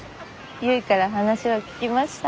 由衣から話は聞きました。